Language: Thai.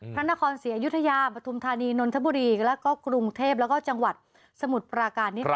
พระนครศรีอยุธยาปฐุมธานีนนทบุรีแล้วก็กรุงเทพแล้วก็จังหวัดสมุทรปราการนี้ค่ะ